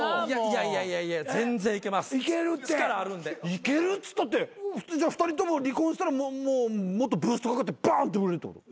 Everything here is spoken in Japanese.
いけるっつったって２人とも離婚したらもっとブーストかかってバンって売れるってこと？